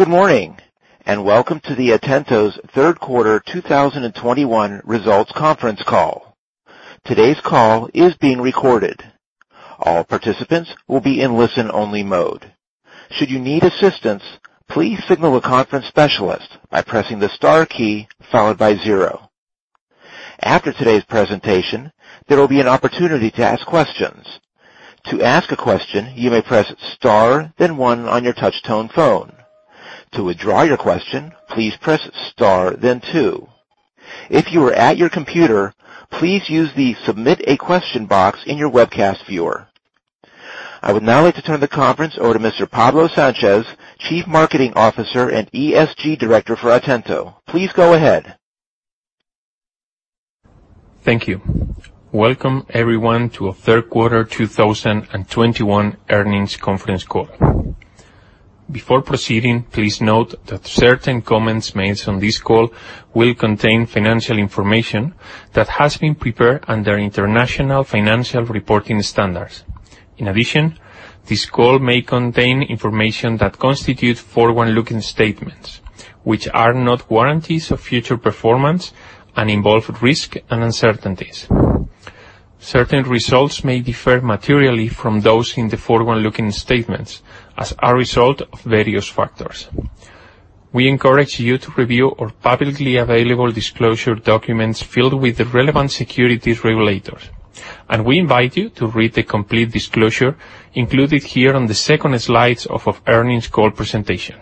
Good morning, and welcome to Atento's third quarter 2021 results conference call. Today's call is being recorded. All participants will be in listen-only mode. Should you need assistance, please signal the conference specialist by pressing the star key followed by zero. After today's presentation, there will be an opportunity to ask questions. To ask a question, you may press star then one on your touch tone phone. To withdraw your question, please press star then two. If you are at your computer, please use the Submit-a-Question box in your webcast viewer. I would now like to turn the conference over to Mr. Pablo Sánchez, Chief Marketing Officer and ESG Director for Atento. Please go ahead. Thank you. Welcome everyone to our third quarter 2021 earnings conference call. Before proceeding, please note that certain comments made on this call will contain financial information that has been prepared under International Financial Reporting Standards. In addition, this call may contain information that constitutes forward-looking statements, which are not warranties of future performance and involve risk and uncertainties. Certain results may differ materially from those in the forward-looking statements as a result of various factors. We encourage you to review our publicly available disclosure documents filed with the relevant securities regulators, and we invite you to read the complete disclosure included here on the second slide of our earnings call presentation.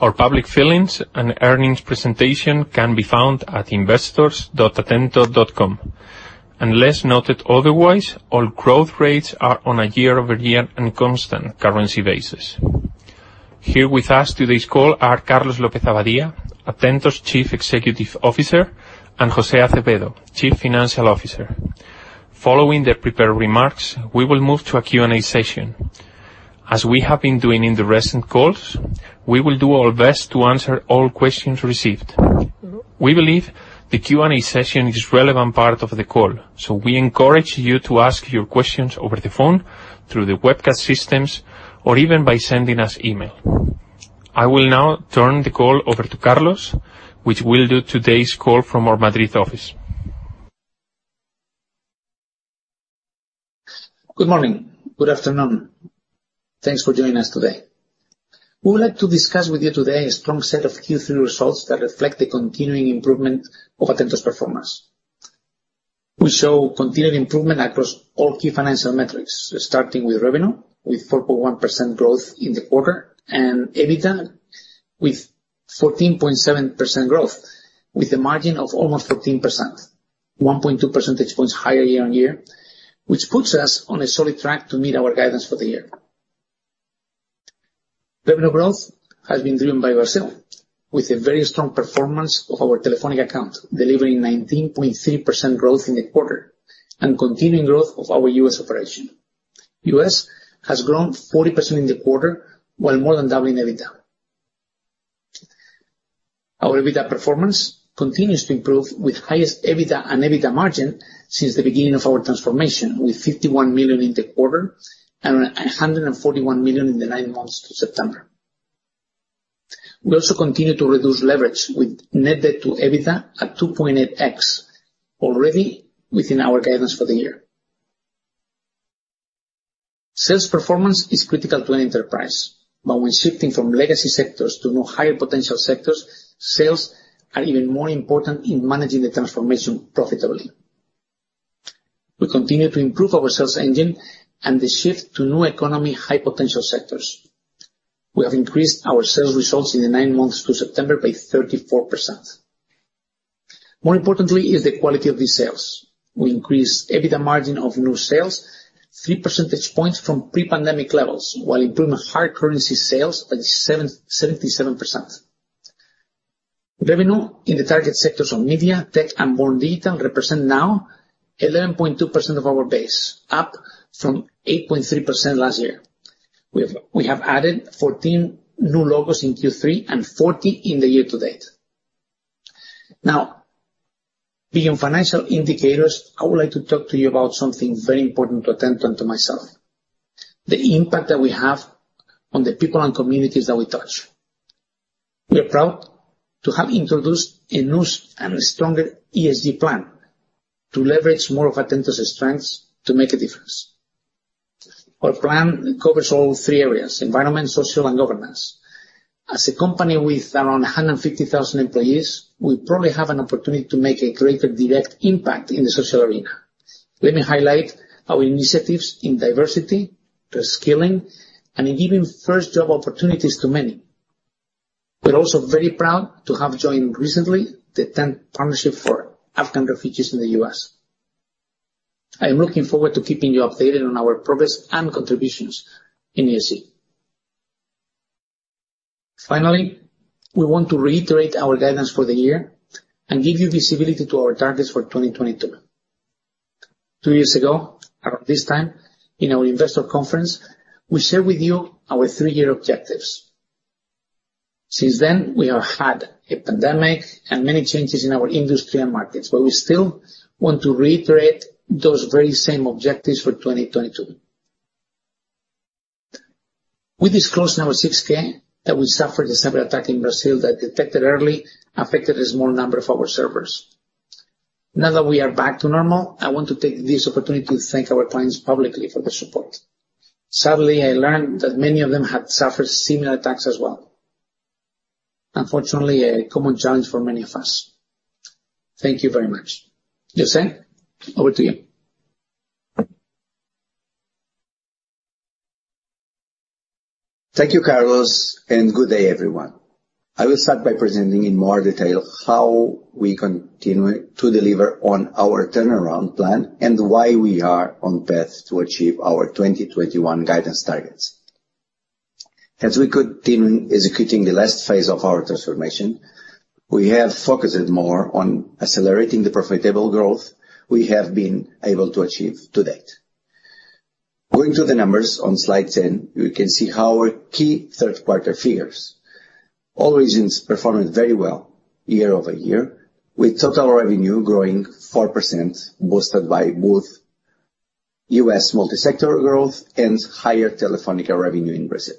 Our public filings and earnings presentation can be found at investors.atento.com. Unless noted otherwise, all growth rates are on a year-over-year and constant-currency basis. Here with us today's call are Carlos López-Abadía, Atento's Chief Executive Officer, and José Azevedo, Chief Financial Officer. Following their prepared remarks, we will move to a Q&A session. As we have been doing in the recent calls, we will do our best to answer all questions received. We believe the Q&A session is relevant part of the call, so we encourage you to ask your questions over the phone, through the webcast systems, or even by sending us email. I will now turn the call over to Carlos, which will do today's call from our Madrid office. Good morning. Good afternoon. Thanks for joining us today. We would like to discuss with you today a strong set of Q3 results that reflect the continuing improvement of Atento's performance. We show continued improvement across all key financial metrics, starting with revenue, with 4.1% growth in the quarter, and EBITDA with 14.7% growth, with a margin of almost 14%, 1.2 percentage points higher year-on-year, which puts us on a solid track to meet our guidance for the year. Revenue growth has been driven by Brazil, with a very strong performance of our Telefónica account, delivering 19.3% growth in the quarter and continuing growth of our U.S. operation. U.S. has grown 40% in the quarter, while more than doubling EBITDA. Our EBITDA performance continues to improve with highest EBITDA and EBITDA margin since the beginning of our transformation, with 51 million in the quarter and 141 million in the nine months to September. We also continue to reduce leverage with net debt to EBITDA at 2.8x already within our guidance for the year. Sales performance is critical to an enterprise, but when shifting from legacy sectors to more higher potential sectors, sales are even more important in managing the transformation profitably. We continue to improve our sales engine and the shift to new economy high potential sectors. We have increased our sales results in the nine months to September by 34%. More importantly is the quality of these sales. We increased EBITDA margin of new sales 3 percentage points from pre-pandemic levels while improving hard currency sales by 77%. Revenue in the target sectors of media, tech, and more retail represent now 11.2% of our base, up from 8.3% last year. We have added 14 new logos in Q3 and 40 in the year-to-date. Now, beyond financial indicators, I would like to talk to you about something very important to Atento and to myself, the impact that we have on the people and communities that we touch. We are proud to have introduced a new and stronger ESG plan to leverage more of Atento's strengths to make a difference. Our plan covers all three areas, environment, social, and governance. As a company with around 150,000 employees, we probably have an opportunity to make a greater direct impact in the social arena. Let me highlight our initiatives in diversity, reskilling, and in giving first job opportunities to many. We're also very proud to have joined recently the Tent Partnership for Afghan refugees in the U.S. I am looking forward to keeping you updated on our progress and contributions in ESG. Finally, we want to reiterate our guidance for the year and give you visibility to our targets for 2022. Two years ago, around this time in our investor conference, we shared with you our three-year objectives. Since then, we have had a pandemic and many changes in our industry and markets, but we still want to reiterate those very same objectives for 2022. We disclosed in our 6-K that we suffered a cyber attack in Brazil that was detected early and affected a small number of our servers. Now that we are back to normal, I want to take this opportunity to thank our clients publicly for their support. Sadly, I learned that many of them had suffered similar attacks as well, unfortunately, a common challenge for many of us. Thank you very much. José, over to you. Thank you, Carlos, and good day everyone. I will start by presenting in more detail how we continue to deliver on our turnaround plan and why we are on path to achieve our 2021 guidance targets. As we continue executing the last phase of our transformation, we have focused more on accelerating the profitable growth we have been able to achieve to date. Going to the numbers on slide 10, you can see our key third quarter figures. All regions performed very well year-over-year, with total revenue growing 4%, boosted by both U.S. multi-sector growth and higher Telefónica revenue in Brazil.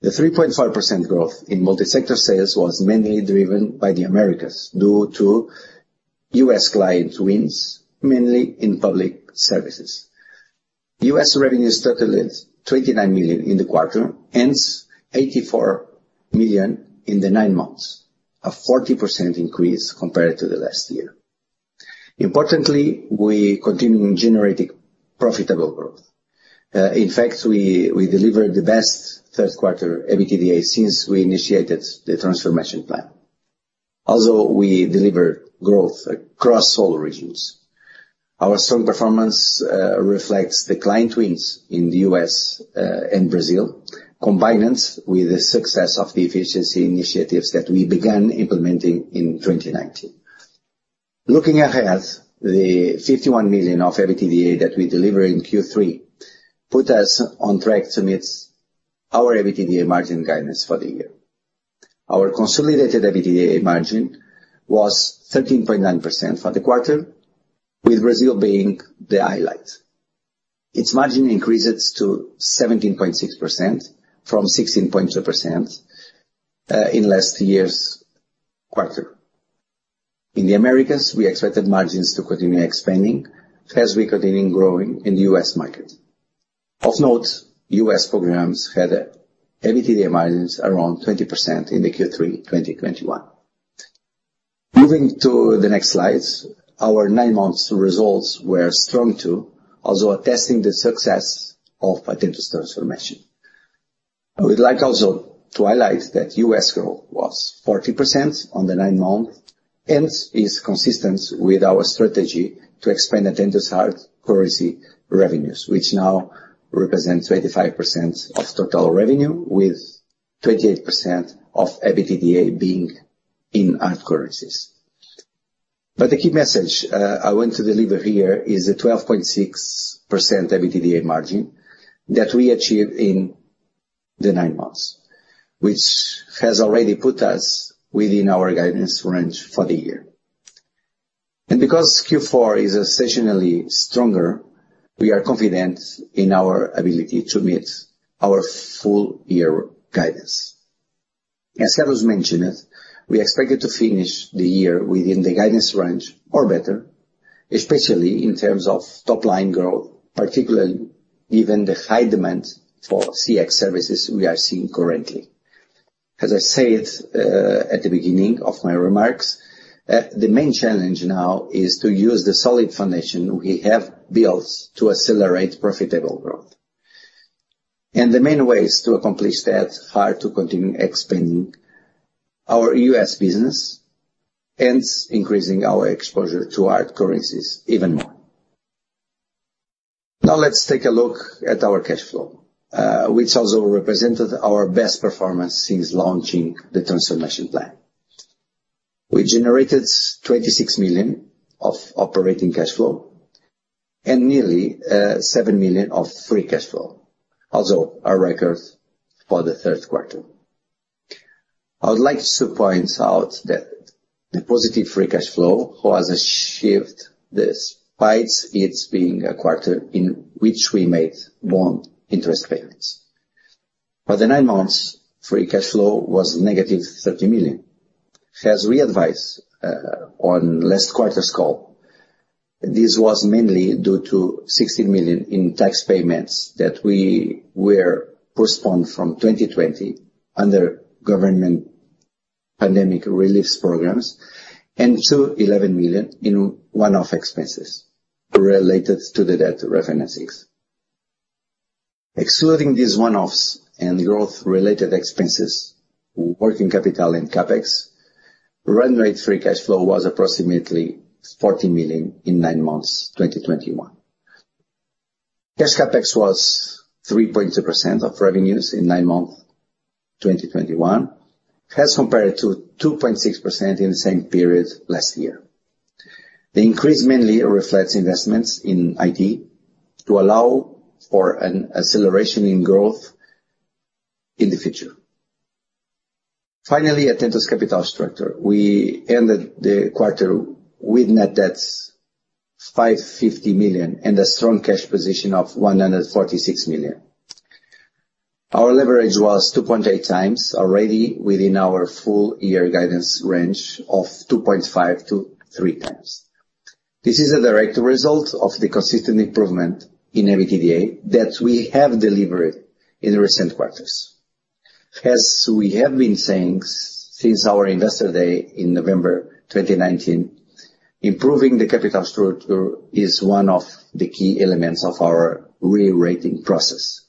The 3.5% growth in multi-sector sales was mainly driven by the Americas due to U.S. client wins, mainly in public services. U.S. revenues totaled $29 million in the quarter, hence $84 million in the nine months. A 40% increase compared to the last year. Importantly, we continue generating profitable growth. In fact, we delivered the best third quarter EBITDA since we initiated the transformation plan. Also, we delivered growth across all regions. Our strong performance reflects the client wins in the U.S. and Brazil, combined with the success of the efficiency initiatives that we began implementing in 2019. Looking ahead, the 51 million of EBITDA that we deliver in Q3 put us on track to meet our EBITDA margin guidance for the year. Our consolidated EBITDA margin was 13.9% for the quarter, with Brazil being the highlight. Its margin increases to 17.6% from 16.2% in last year's quarter. In the Americas, we expected margins to continue expanding as we continue growing in the U.S. market. Of note, U.S. programs had EBITDA margins around 20% in Q3 2021. Moving to the next slides. Our nine months results were strong too, also attesting the success of Atento's transformation. I would like also to highlight that U.S. growth was 40% on the nine months and is consistent with our strategy to expand Atento's hard currency revenues, which now represent 25% of total revenue with 28% of EBITDA being in hard currencies. The key message, I want to deliver here is a 12.6% EBITDA margin that we achieved in the nine months, which has already put us within our guidance range for the year. Because Q4 is a seasonally stronger, we are confident in our ability to meet our full-year guidance. As Carlos mentioned, we expected to finish the year within the guidance range or better, especially in terms of top-line growth, particularly given the high demand for CX services we are seeing currently. As I said, at the beginning of my remarks, the main challenge now is to use the solid foundation we have built to accelerate profitable growth. The main ways to accomplish that are to continue expanding our U.S. business, hence increasing our exposure to hard currencies even more. Now let's take a look at our cash flow, which also represented our best performance since launching the transformation plan. We generated $26 million of operating cash flow and nearly $7 million of free cash flow. Also a record for the third quarter. I would like to point out that the positive free cash flow was a shift despite it being a quarter in which we made bond-interest payments. For the nine months, free cash flow was -$30 million. As we advised on last quarter's call, this was mainly due to $16 million in tax payments that we were postponed from 2020 under government pandemic relief programs and to $11 million in one-off expenses related to the debt refinancings. Excluding these one-offs and growth-related expenses, working capital and CapEx, run rate free cash flow was approximately $14 million in nine months 2021. Cash CapEx was 3.2% of revenues in nine-month 2021 as compared to 2.6% in the same period last year. The increase mainly reflects investments in IT to allow for an acceleration in growth in the future. Finally, Atento's capital structure. We ended the quarter with net debt 550 million and a strong cash position of 146 million. Our leverage was 2.8x already within our full-year guidance range of 2.5x-3x. This is a direct result of the consistent improvement in EBITDA that we have delivered in recent quarters. As we have been saying since our Investor Day in November 2019, improving the capital structure is one of the key elements of our rerating process.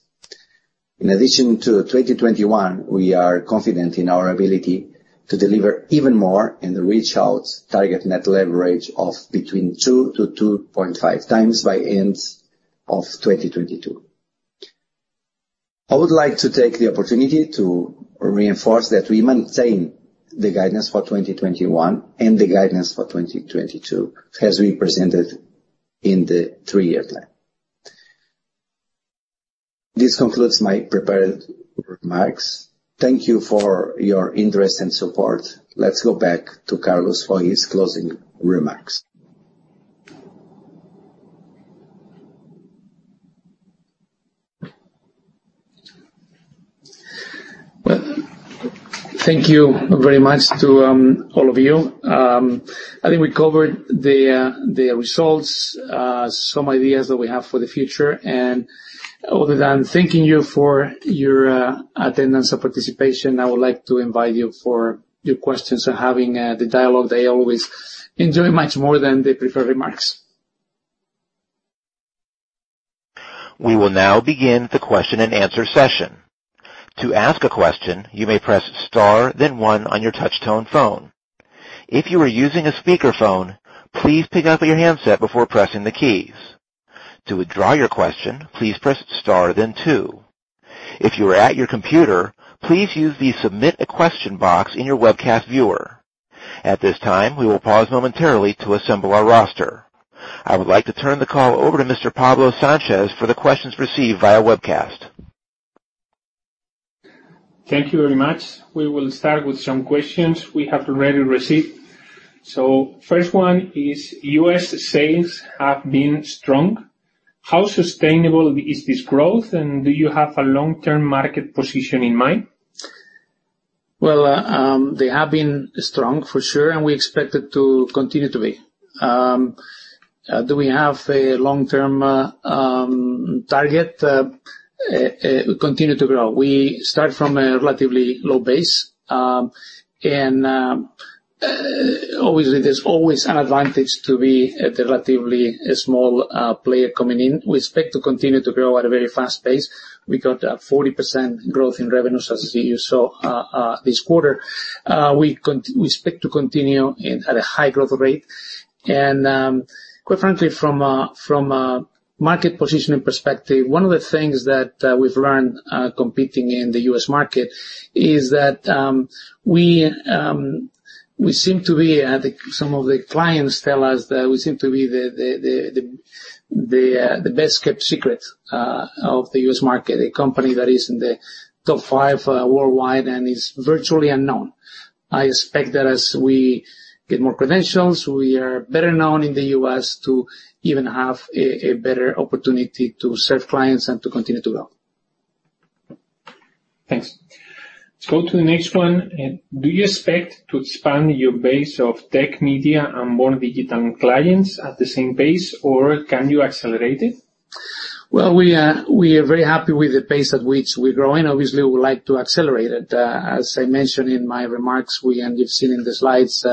In addition to 2021, we are confident in our ability to deliver even more in the reach out target net leverage of between 2x-2.5x by end of 2022. I would like to take the opportunity to reinforce that we maintain the guidance for 2021 and the guidance for 2022, as we presented in the three-year plan. This concludes my prepared remarks. Thank you for your interest and support. Let's go back to Carlos for his closing remarks. Well, thank you very much to all of you. I think we covered the results, some ideas that we have for the future. Other than thanking you for your attendance and participation, I would like to invite you for your questions. Having the dialogue, they always enjoy much more than they prepared remarks. We will now begin the question-and-answer session. To ask a question, you may press star, then one on your touch-tone phone. If you are using a speaker phone, please pick up your handset before pressing the keys. To withdraw your question, please press star then two. If you are at your computer, please use the Submit-a-Question box in your webcast viewer. At this time, we will pause momentarily to assemble our roster. I would like to turn the call over to Mr. Pablo Sánchez for the questions received via webcast. Thank you very much. We will start with some questions we have already received. First one is, U.S. sales have been strong. How sustainable is this growth? And do you have a long-term market position in mind? Well, they have been strong for sure, and we expect it to continue to be. Do we have a long-term target? We continue to grow. We start from a relatively low base, and obviously there's always an advantage to be a relatively small player coming in. We expect to continue to grow at a very fast pace. We got a 40% growth in revenues, as you saw, this quarter. We expect to continue at a high growth of rate. Quite frankly, from a market positioning perspective, one of the things that we've learned competing in the U.S. market is that we seem to be, I think some of the clients tell us that we seem to be the best kept secret of the U.S. market, a company that is in the top five worldwide and is virtually unknown. I expect that as we get more credentials, we are better known in the U.S. to even have a better opportunity to serve clients and to continue to grow. Thanks. Let's go to the next one. Do you expect to expand your base of tech media and more digital clients at the same pace? Or can you accelerate it? Well, we are very happy with the pace at which we're growing. Obviously, we would like to accelerate it. As I mentioned in my remarks, we, and you've seen in the slides,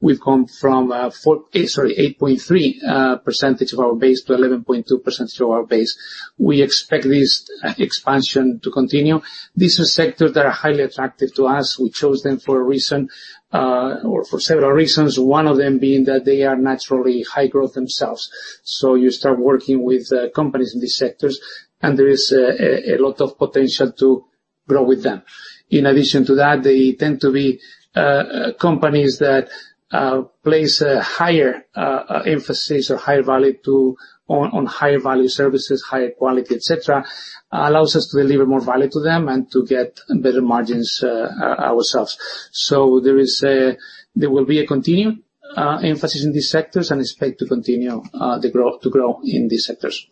we've gone from 8.3% of our base to 11.2% of our base. We expect this expansion to continue. These are sectors that are highly attractive to us. We chose them for a reason, or for several reasons, one of them being that they are naturally high growth themselves. You start working with companies in these sectors, and there is a lot of potential to grow with them. In addition to that, they tend to be companies that place a higher emphasis or higher value to— on higher value services, higher quality, et cetera, allows us to deliver more value to them and to get better margins ourselves. There will be a continued emphasis in these sectors, and expect to continue to grow in these sectors.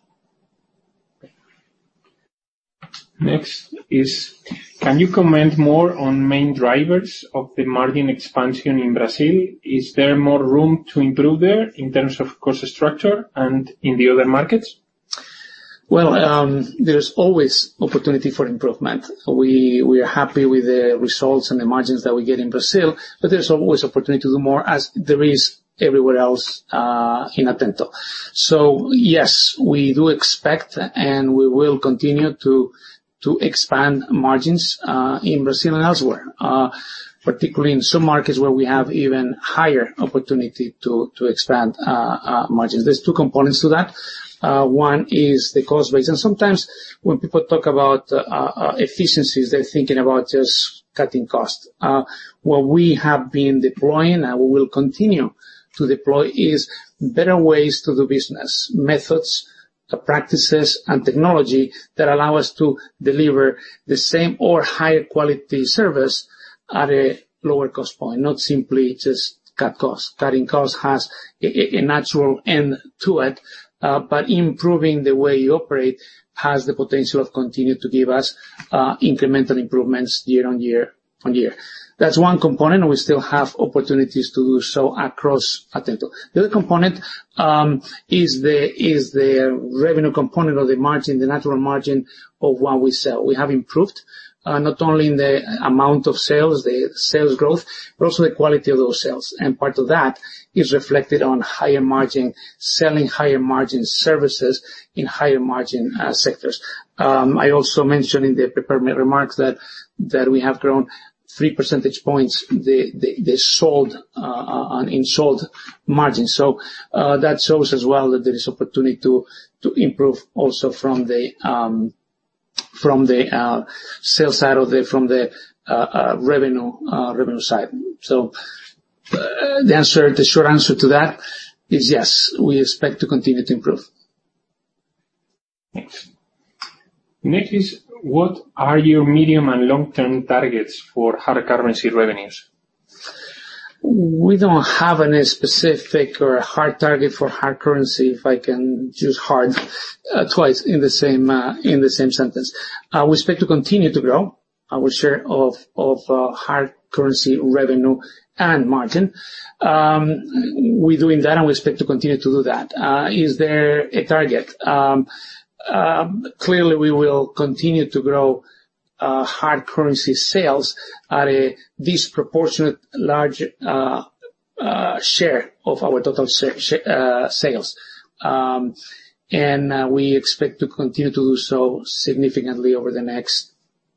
Next is, can you comment more on main drivers of the margin expansion in Brazil? Is there more room to improve there in terms of cost structure and in the other markets? Well, there's always opportunity for improvement. We are happy with the results and the margins that we get in Brazil, but there's always opportunity to do more as there is everywhere else in Atento. Yes, we do expect and we will continue to expand margins in Brazil and elsewhere, particularly in some markets where we have even higher opportunity to expand margins. There's two components to that. One is the cost base. Sometimes when people talk about efficiencies, they're thinking about just cutting costs. What we have been deploying, and we will continue to deploy is better ways to do business. Methods, practices, and technology that allow us to deliver the same or higher quality service at a lower cost point, not simply just cut costs. Cutting costs has a natural end to it, but improving the way you operate has the potential to continue to give us incremental improvements year-on-year-on-year. That's one component, and we still have opportunities to do so across Atento. The other component is the revenue component or the margin, the natural margin of what we sell. We have improved not only in the amount of sales, the sales growth, but also the quality of those sales. Part of that is reflected on higher margin, selling higher margin services in higher margin sectors. I also mentioned in the prepared remarks that we have grown 3 percentage points in sold margins. That shows as well that there is opportunity to improve also from the sales side or the revenue side. The answer, the short answer to that is yes, we expect to continue to improve. Thanks. Next is what are your medium and long-term targets for hard currency revenues? We don't have any specific or hard target for hard currency, if I can use hard twice in the same sentence. We expect to continue to grow our share of hard currency revenue and margin. We're doing that, and we expect to continue to do that. Is there a target? Clearly we will continue to grow hard currency sales at a disproportionately large share of our total sales. We expect to continue to do so significantly over the next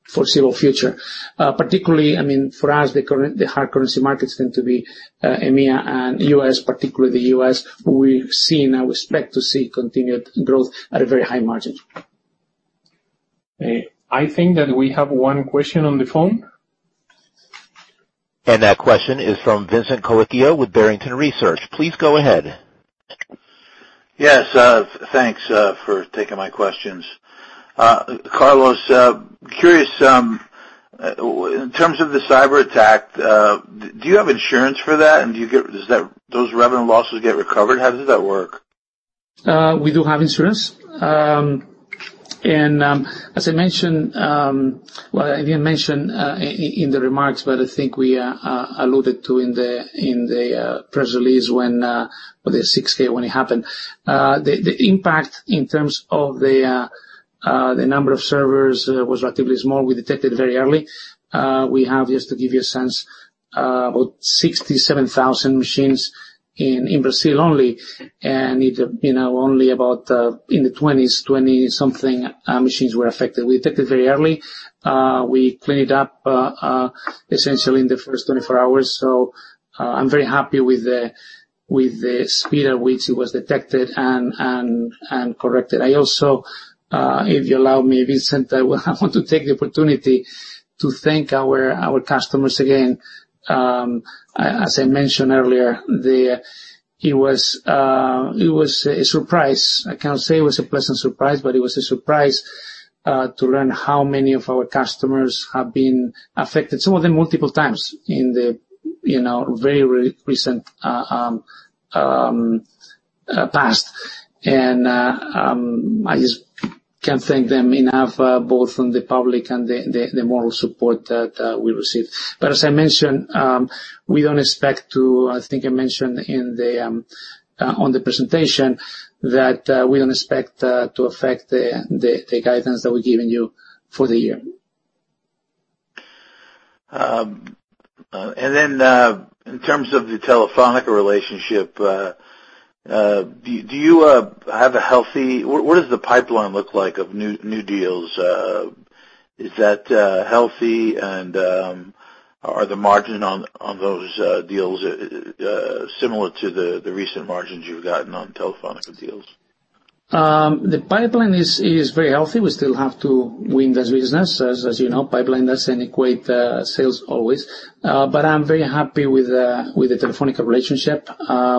foreseeable future. Particularly, I mean, for us, the current hard currency markets tend to be EMEA and U.S., particularly the U.S. We've seen and we expect to see continued growth at a very high margin. I think that we have one question on the phone. That question is from Vincent Colicchio with Barrington Research. Please go ahead. Yes. Thanks for taking my questions. Carlos, curious in terms of the cyberattack, do you have insurance for that? And does that, those revenue losses get recovered? How does that work? We do have insurance. As I mentioned, well, I didn't mention in the remarks, but I think we alluded to in the press release when the 6-K when it happened. The impact in terms of the number of servers was relatively small. We detected it very early. We have, just to give you a sense, about 67,000 machines in Brazil only, and it, you know, only about in the 20s, 20-something machines were affected. We detected it very early. We cleaned it up essentially in the first 24 hours. I'm very happy with the speed at which it was detected and corrected. I also, if you allow me, Vincent, I want to take the opportunity to thank our customers again. As I mentioned earlier, it was a surprise. I can't say it was a pleasant surprise, but it was a surprise to learn how many of our customers have been affected, some of them multiple times in the very recent past, you know. I just can't thank them enough, both from the public and the moral support that we received. As I mentioned, I think I mentioned on the presentation that we don't expect to affect the guidance that we've given you for the year. In terms of the Telefónica relationship, what does the pipeline look like of new deals? Is that healthy and are the margin on those deals similar to the recent margins you've gotten on Telefónica deals? The pipeline is very healthy. We still have to win this business. As you know, pipeline doesn't equate to sales always. But I'm very happy with the Telefónica relationship.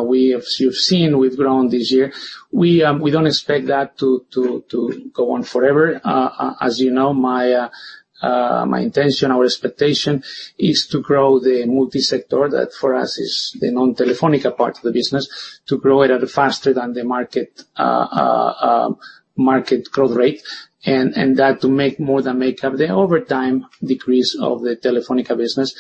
We have, as you've seen, we've grown this year. We don't expect that to go on forever. As you know, my intention, our expectation is to grow the multi-sector, that for us is the non-Telefónica part of the business, to grow it at a faster than the market growth rate. That to more than make up the over time decrease of the Telefónica business.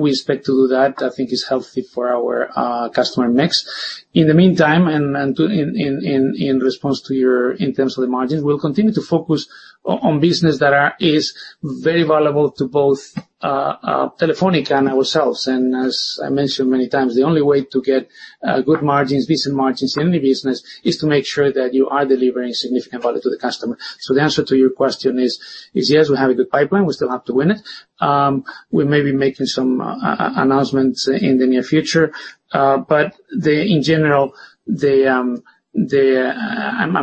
We expect to do that. I think it's healthy for our customer mix. In the meantime, in response to your— In terms of the margins, we'll continue to focus on business that is very valuable to both Telefónica and ourselves. As I mentioned many times, the only way to get good margins, decent margins in any business is to make sure that you are delivering significant value to the customer. The answer to your question is yes, we have a good pipeline. We still have to win it. We may be making some announcements in the near future. But in general, I'm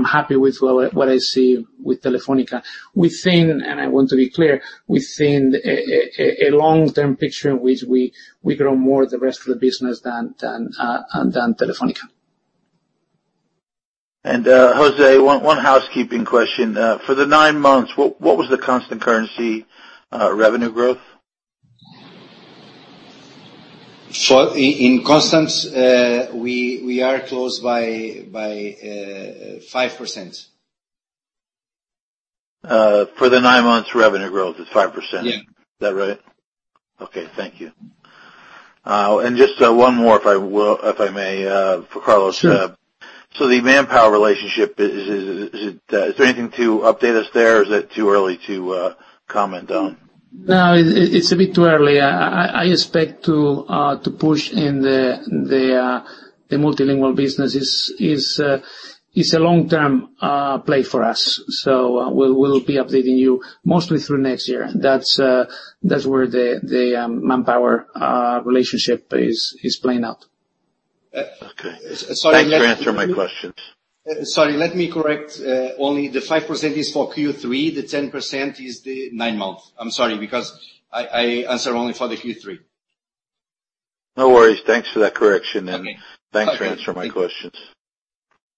happy with what I see with Telefónica. We think, and I want to be clear, we think a long-term picture in which we grow more of the rest of the business than Telefónica. José, one housekeeping question. For the nine months, what was the constant currency revenue growth? In constants, we are close by 5%. For the nine months revenue growth, it's 5%. Yeah. Is that right? Okay, thank you. Just one more if I may, for Carlos. Sure. The ManpowerGroup relationship is it, is there anything to update us there or is it too early to comment on? No, it's a bit too early. I expect to push in the multilingual business. It's a long-term play for us. We'll be updating you mostly through next year. That's where the ManpowerGroup relationship is playing out. Okay. Thanks for answering my questions. Sorry, let me correct. Only the 5% is for Q3. The 10% is the nine months. I'm sorry, because I answered only for the Q3. No worries. Thanks for that correction and thanks for answering my questions.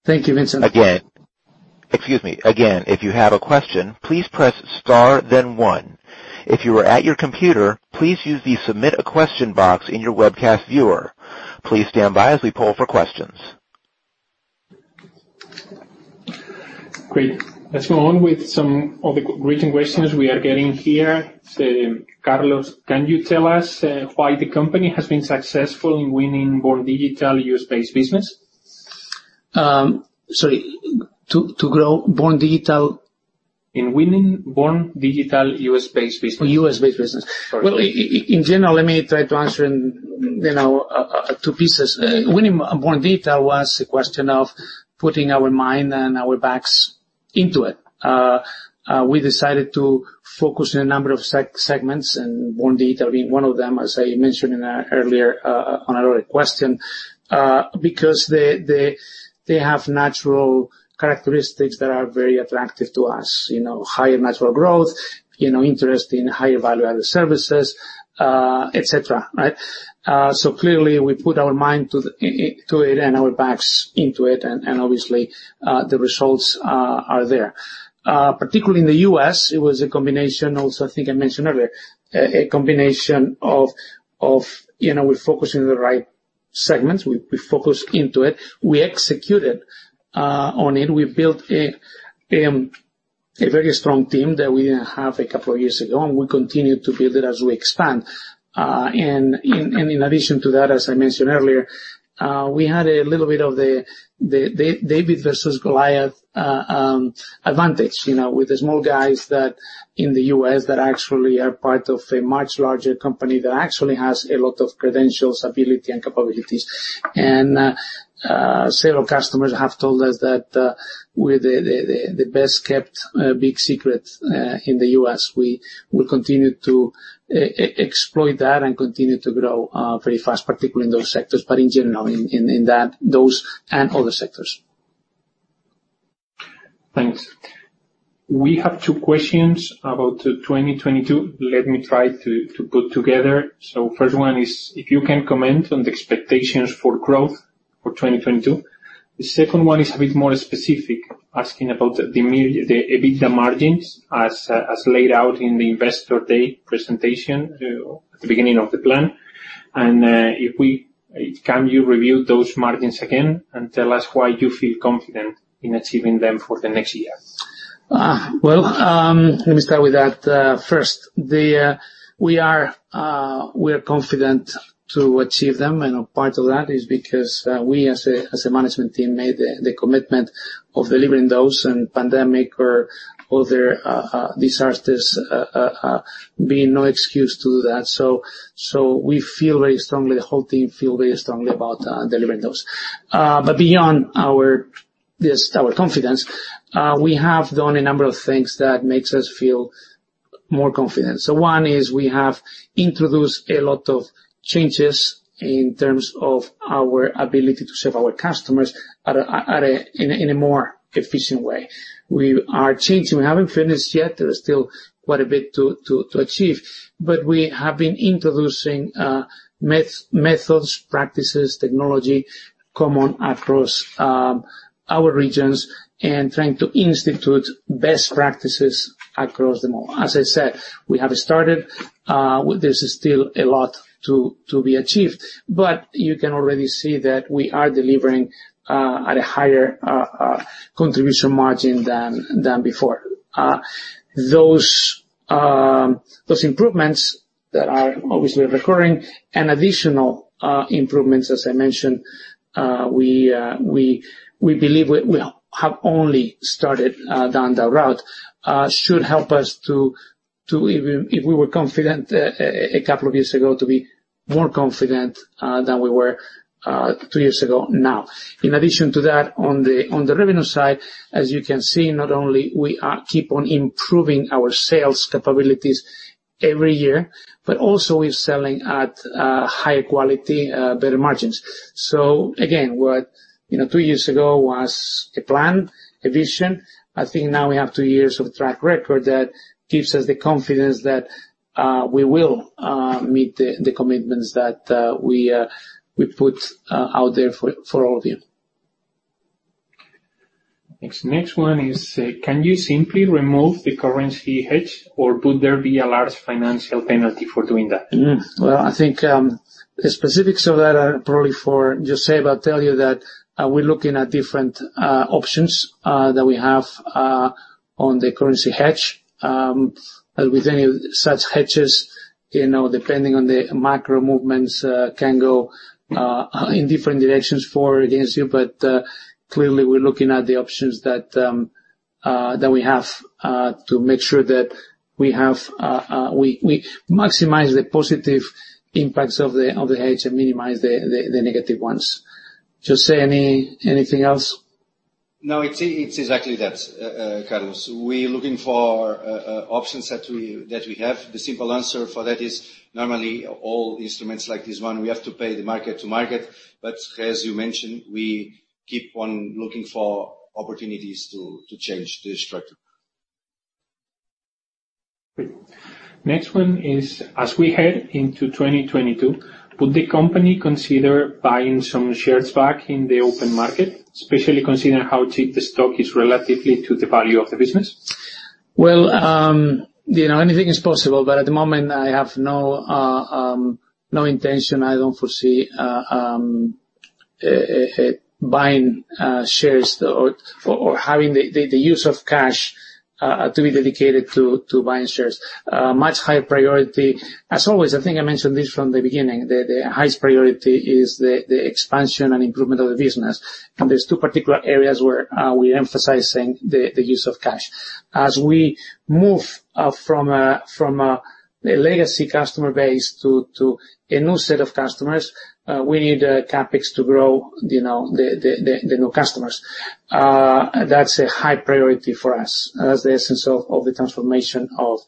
Thank you, Vincent. Again. Excuse me. Again, if you have a question, please press star then one. If you are at your computer, please use the Submit-a-Question box in your webcast viewer. Please stand by as we poll for questions. Great. Let's go on with some of the great questions we are getting here. Carlos, can you tell us why the company has been successful in winning born-digital U.S.-based business? Sorry, to grow born-digital? In winning born-digital U.S.-based business. U.S.-based business. Well, in general, let me try to answer in, you know, two pieces. Winning born-digital was a question of putting our mind and our backs into it. We decided to focus on a number of segments, and born-digital being one of them, as I mentioned in an earlier, on an earlier question, because they have natural characteristics that are very attractive to us. You know, high natural growth, you know, interest in higher value-added services, et cetera, right? Clearly we put our mind to it and our backs into it, and obviously, the results are there. Particularly in the U.S., it was a combination also, I think I mentioned earlier. A combination of, you know, we focus in the right segments. We focus into it. We executed on it. We built a very strong team that we didn't have a couple of years ago, and we continue to build it as we expand. In addition to that, as I mentioned earlier, we had a little bit of the David versus Goliath advantage, you know, with the small guys in the U.S. that actually are part of a much larger company that actually has a lot of credentials, ability, and capabilities. Several customers have told us that we're the best-kept big secret in the U.S. We will continue to exploit that and continue to grow very fast, particularly in those sectors, but in general, in that, those, and other sectors. Thanks. We have two questions about the 2022. Let me try to put together. First one is if you can comment on the expectations for growth for 2022. The second one is a bit more specific, asking about the EBITDA margins as laid out in the Investor Day presentation at the beginning of the plan. Can you review those margins again and tell us why you feel confident in achieving them for the next year? Well, let me start with that. First, we are confident to achieve them, and part of that is because we as a management team made the commitment of delivering those and pandemic or other disasters being no excuse to that. We feel very strongly, the whole team feel very strongly about delivering those. Beyond our confidence, we have done a number of things that makes us feel more confident. One is we have introduced a lot of changes in terms of our ability to serve our customers in a more efficient way. We are changing. We haven't finished yet. There is still quite a bit to achieve, but we have been introducing methods, practices, technology common across our regions and trying to institute best practices across them all. As I said, we have started. There's still a lot to be achieved, but you can already see that we are delivering at a higher contribution margin than before. Those improvements that are obviously recurring and additional improvements, as I mentioned, we believe we have only started down that route, should help us to be even more confident than we were two years ago now. In addition to that, on the revenue side, as you can see, not only we keep on improving our sales capabilities every year, but also we're selling at higher quality, better margins. Again, you know, two years ago was a plan, a vision. I think now we have two years of track record that gives us the confidence that we will meet the commitments that we put out there for all of you. Next one is, can you simply remove the currency hedge, or would there be a large financial penalty for doing that? Well, I think the specifics of that are probably for José, but I'll tell you that we're looking at different options that we have on the currency hedge. As with any such hedges, you know, depending on the macro movements can go in different directions for or against you. Clearly we're looking at the options that we have to make sure that we maximize the positive impacts of the hedge and minimize the negative ones. José, anything else? No, it's exactly that, Carlos. We're looking for options that we have. The simple answer for that is normally all instruments like this one, we have to pay the mark-to-market. As you mentioned, we keep on looking for opportunities to change the structure. Great. Next one is, as we head into 2022, would the company consider buying some shares back in the open market, especially considering how cheap the stock is relatively to the value of the business? Well, you know, anything is possible, but at the moment, I have no intention. I don't foresee buying shares or having the use of cash to be dedicated to buying shares. Much higher priority as always, I think I mentioned this from the beginning, the highest priority is the expansion and improvement of the business. There's two particular areas where we're emphasizing the use of cash. As we move from a legacy customer base to a new set of customers, we need CapEx to grow the new customers. That's a high priority for us as the essence of the transformation of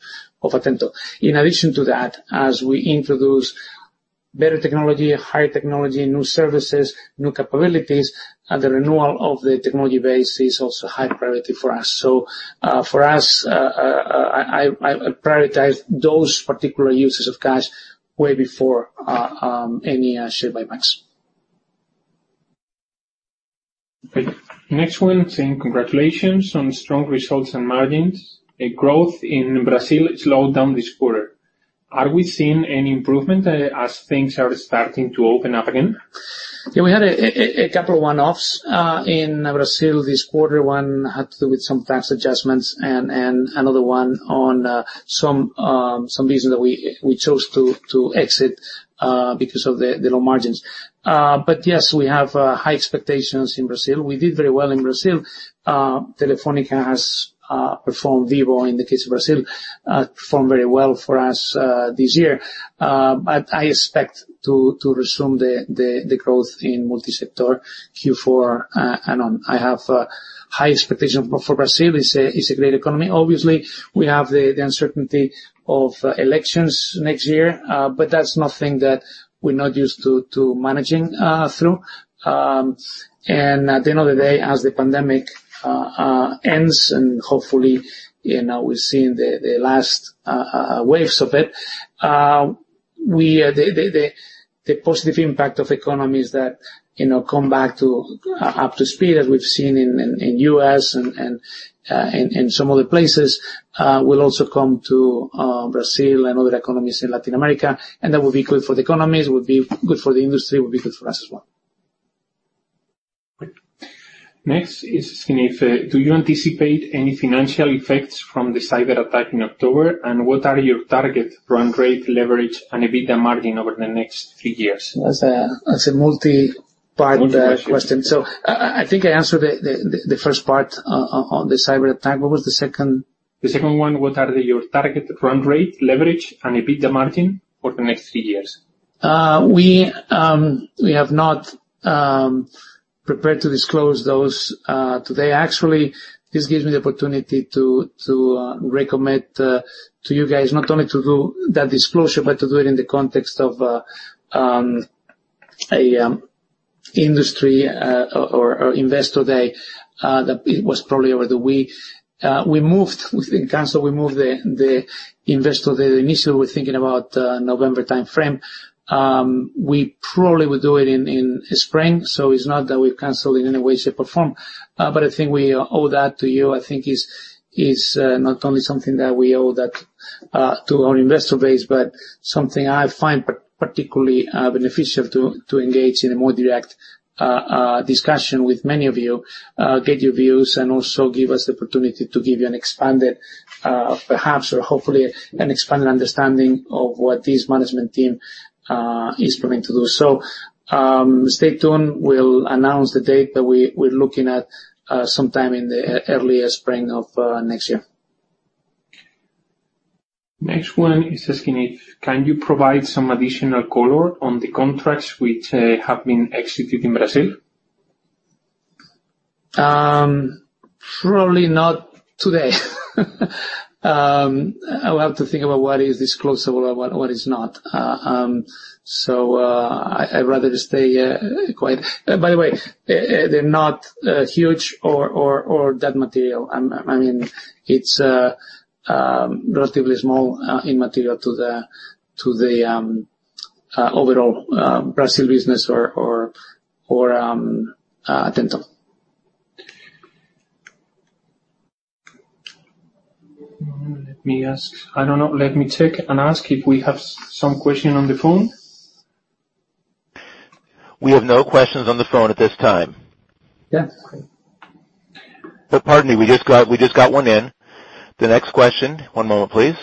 Atento. In addition to that, as we introduce better technology, higher technology, new services, new capabilities, and the renewal of the technology base is also a high priority for us. So, for us, I prioritize those particular uses of cash way before any share buybacks. Okay. Next one saying congratulations on strong results and margins. The growth in Brazil slowed down this quarter. Are we seeing any improvement, as things are starting to open up again? Yeah, we had a couple one-offs in Brazil this quarter. One had to do with some tax adjustments and another one on some business that we chose to exit because of the low margins. Yes, we have high expectations in Brazil. We did very well in Brazil. Telefónica has performed. Vivo in the case of Brazil performed very well for us this year. I expect to resume the growth in multi-sector Q4 and on. I have high expectations for Brazil. It's a great economy. Obviously, we have the uncertainty of elections next year, but that's nothing that we're not used to managing through. At the end of the day, as the pandemic ends and hopefully, you know, we're seeing the last waves of it, the positive impact of economies that, you know, come back up to speed as we've seen in U.S. and some other places, will also come to Brazil and other economies in Latin America, and that will be good for the economies, will be good for the industry, will be good for us as well. Great. Next is asking if do you anticipate any financial effects from the cyberattack in October? What are your target run rate leverage and EBITDA margin over the next three years? That's a multi-part question. I think I answered the first part on the cyberattack. What was the second? The second one, what are your target run rate leverage and EBITDA margin for the next three years? We have not prepared to disclose those today. Actually, this gives me the opportunity to recommend to you guys not only to do that disclosure, but to do it in the context of an industry or Investor Day that it was probably over the week. We think we moved the Investor Day. Initially, we're thinking about November timeframe. We probably will do it in spring. It's not that we've canceled in any way, shape, or form. I think we owe that to you. I think it is not only something that we owe that to our investor base, but something I find particularly beneficial to engage in a more direct discussion with many of you, get your views, and also give us the opportunity to give you an expanded, perhaps or hopefully an expanded understanding of what this management team is planning to do. Stay tuned. We'll announce the date, but we're looking at sometime in the early spring of next year. Next one is asking if you can provide some additional color on the contracts which have been executed in Brazil? Probably not today. I'll have to think about what is disclosable and what is not. I'd rather just stay quiet. By the way, they're not huge or that material. I mean, it's relatively small, immaterial to the overall Brazil business or Atento. Let me ask. I don't know. Let me check and ask if we have some question on the phone. We have no questions on the phone at this time. Yeah. Okay. Oh, pardon me. We just got one in. The next question. One moment please.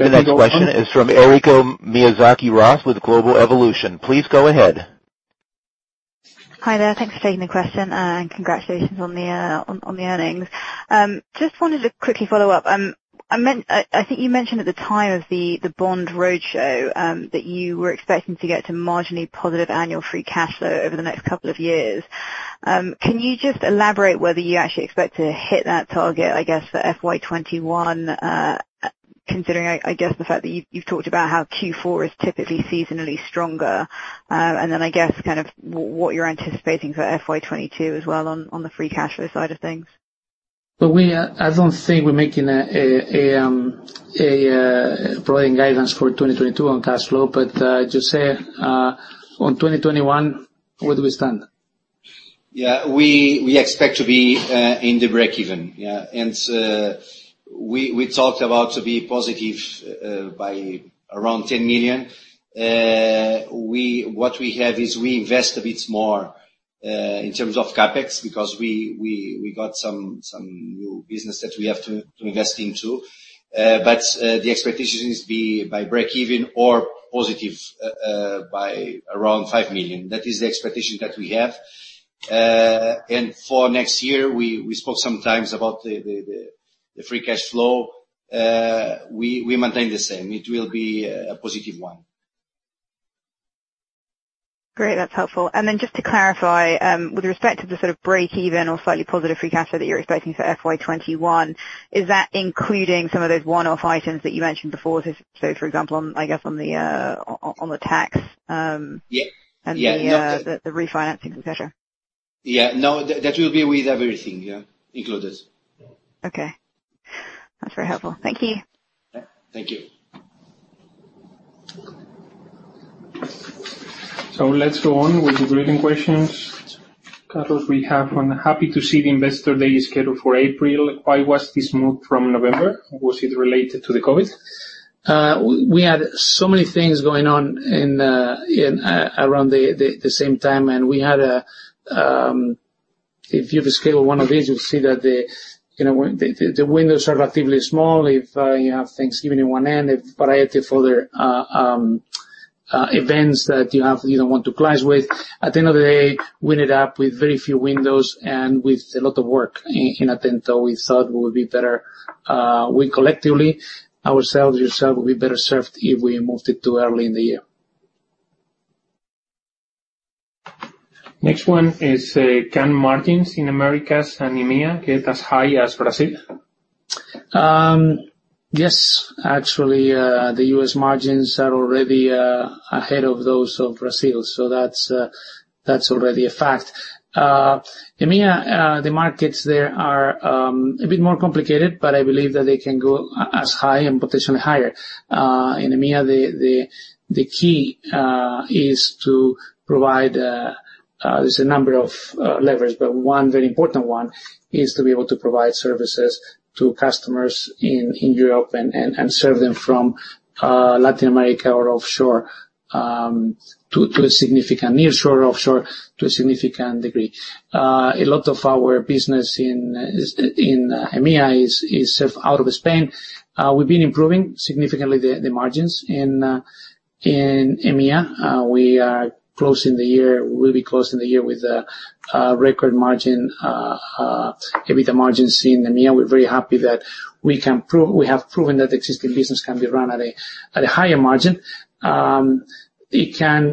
The next question is from Eriko Miyazaki-Ross with Global Evolution. Please go ahead. Hi there. Thanks for taking the question, and congratulations on the earnings. Just wanted to quickly follow-up. I think you mentioned at the time of the bond roadshow that you were expecting to get to marginally positive annual free cash flow over the next couple of years. Can you just elaborate whether you actually expect to hit that target, I guess, for FY 2021, considering I guess the fact that you've talked about how Q4 is typically seasonally stronger. Then I guess kind of what you're anticipating for FY 2022 as well on the free cash flow side of things? I don't think we're providing guidance for 2022 on cash flow. José, on 2021, where do we stand? We expect to be in the break-even. We talked about to be positive by around 10 million. What we have is we invest a bit more in terms of CapEx because we got some new business that we have to invest into. The expectation is to be by break-even or positive by around 5 million. That is the expectation that we have. For next year, we spoke sometimes about the free cash flow. We maintain the same. It will be a positive one. Great. That's helpful. Then just to clarify, with respect to the sort of break even or slightly positive free cash flow that you're expecting for FY 2021, is that including some of those one-off items that you mentioned before? For example, I guess on the tax, the refinancing, et cetera. Yeah. No. That will be with everything, yeah, included. Okay. That's very helpful. Thank you. Yeah. Thank you. Let's go on with the written questions. Carlos, we have, "I'm happy to see the Investor Day scheduled for April. Why was this moved from November? Was it related to the COVID? We had so many things going on around the same time. If you've scheduled one of these, you'll see that the, you know, the windows are relatively small if you have Thanksgiving at one end, a variety of other events that you don't want to clash with. At the end of the day, we ended up with very few windows and with a lot of work in Atento. We thought it would be better. We collectively ourselves would be better served if we moved it to early in the year. Next one is, "Can margins in Americas and EMEA get as high as Brazil? Yes. Actually, the U.S. margins are already ahead of those of Brazil. That's already a fact. EMEA, the markets there are a bit more complicated, but I believe that they can go as high and potentially higher. In EMEA, there's a number of levers, but one very important one is to be able to provide services to customers in Europe and serve them from Latin America or offshore to a significant— nearshore or offshore to a significant degree. A lot of our business in EMEA is served out of Spain. We've been improving significantly the margins in EMEA. We are closing the year with a record margin, EBITDA margin seen in EMEA. We're very happy that we have proven that existing business can be run at a higher margin. It can—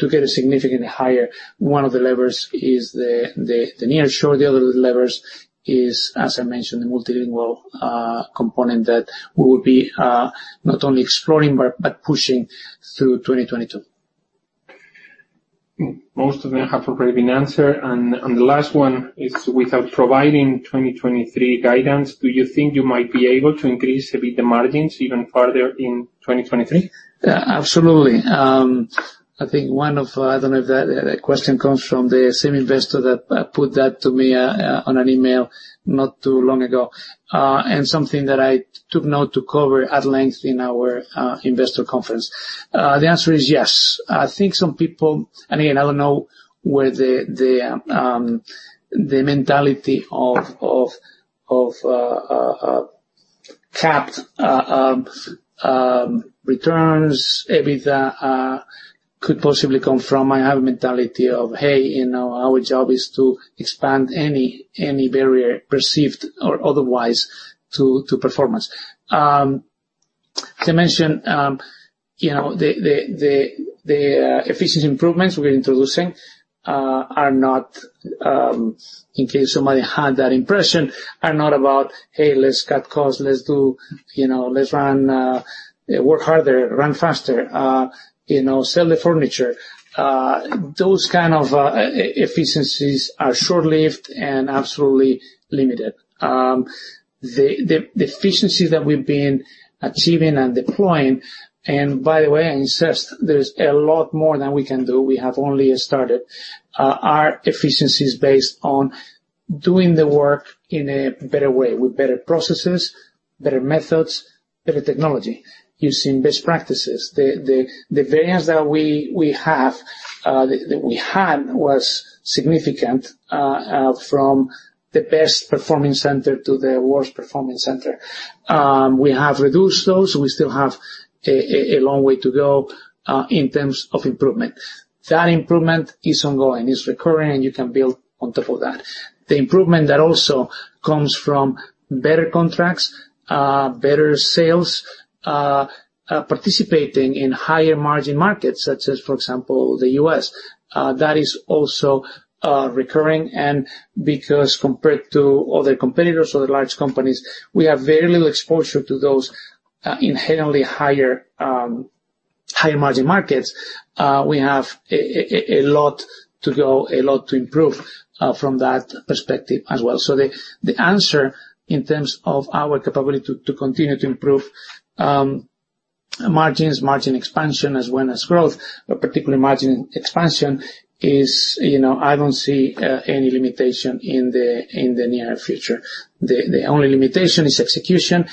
to get significantly higher, one of the levers is the nearshore. The other levers is, as I mentioned, the multilingual component that we will be not only exploring but pushing through 2022. Most of them have already been answered. The last one is, "Without providing 2023 guidance, do you think you might be able to increase EBITDA margins even further in 2023? Yeah. Absolutely. I think one of, I don't know if that question comes from the same investor that put that to me on an email not too long ago, and something that I took note to cover at length in our investor conference. The answer is yes. I think some people, and again, I don't know where the mentality of capped returns EBITDA could possibly come from. I have a mentality of, hey, you know, our job is to expand any barrier, perceived or otherwise, to performance. As I mentioned, you know, the efficiency improvements we're introducing are not, in case somebody had that impression, are not about, "Hey, let's cut costs. Let's do, you know, let's run, work harder, run faster, you know, sell the furniture." Those kind of efficiencies are short-lived and absolutely limited. The efficiency that we've been achieving and deploying, and by the way, I insist there's a lot more that we can do, we have only started, are efficiencies based on doing the work in a better way with better processes, better methods, better technology, using best practices. The variance that we had was significant from the best performing center to the worst performing center. We have reduced those. We still have a long way to go in terms of improvement. That improvement is ongoing, it's recurring, and you can build on top of that. The improvement that also comes from better contracts, better sales, participating in higher margin markets such as, for example, the U.S., that is also recurring, and because compared to other competitors, other large companies, we have very little exposure to those inherently higher margin markets. We have a lot to go, a lot to improve from that perspective as well. The answer in terms of our capability to continue to improve margins, margin expansion, as well as growth, but particularly margin expansion is, you know, I don't see any limitation in the near future. The only limitation is execution,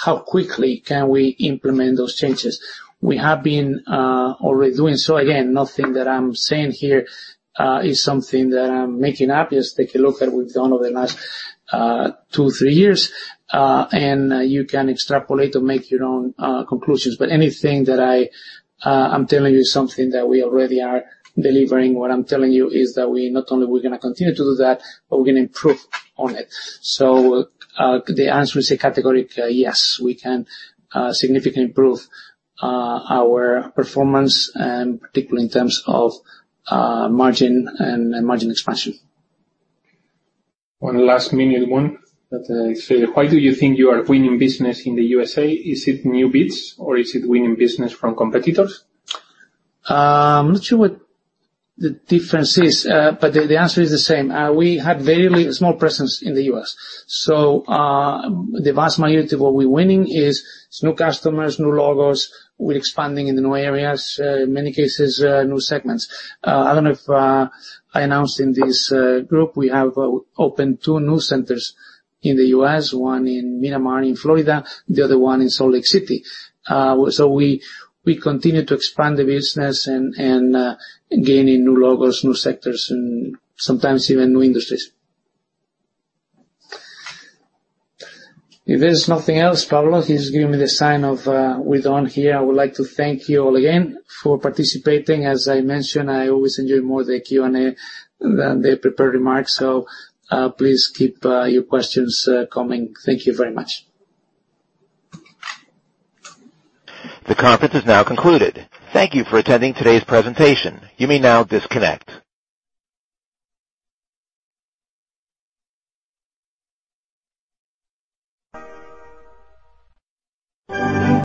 how quickly can we implement those changes. We have been already doing so. Again, nothing that I'm saying here is something that I'm making up. Just take a look at what we've done over the last two, three years, and you can extrapolate or make your own conclusions. Anything that I'm telling you is something that we already are delivering. What I'm telling you is that we're not only gonna continue to do that, but we're gonna improve on it. The answer is a categorical yes, we can significantly improve our performance, and particularly in terms of margin and margin expansion. One last minute one that I see. Why do you think you are winning business in the USA? Is it new bids or is it winning business from competitors? I'm not sure what the difference is, but the answer is the same. We had very small presence in the U.S., so the vast majority of what we're winning is new customers, new logos. We're expanding in the new areas, in many cases, new segments. I don't know if I announced in this group; we have opened two new centers in the U.S., one in Miramar in Florida, the other one in Salt Lake City. We continue to expand the business and gain in new logos, new sectors and sometimes even new industries. If there's nothing else, Pablo, he's giving me the sign that we're done here. I would like to thank you all again for participating. As I mentioned, I always enjoy more the Q&A than the prepared remarks, so, please keep your questions coming. Thank you very much. The conference is now concluded. Thank you for attending today's presentation. You may now disconnect.